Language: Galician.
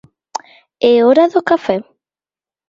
É hora do café.